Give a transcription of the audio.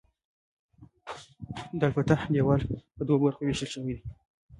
د الفتح دیوال په دوو برخو ویشل شوی دی.